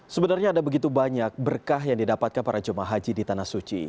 sebenarnya ada begitu banyak berkah yang didapatkan para jemaah haji di tanah suci